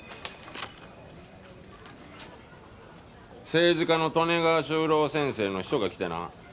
政治家の利根川周郎先生の秘書が来てな。